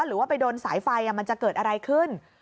หรือว่าไปโดนสายไฟมันจะเกิดอะไรขึ้น